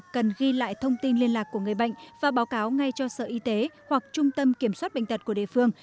cần ghi lại thông tin liên lạc của người bệnh và báo cáo ngay cho sở y tế hoặc trung tâm kiểm soát bệnh tật của địa phương